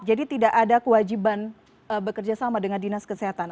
jadi tidak ada kewajiban bekerja sama dengan dinas kesehatan